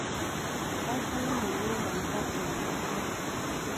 Baddayo mu nnyumba ne batta ensekere.